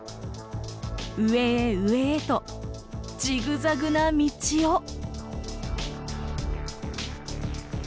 上へ上へとジグザグな道を！